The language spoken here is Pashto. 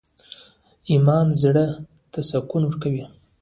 ایمان زړه ته سکون ورکوي؟